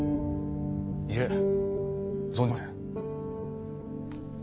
いえ存じません。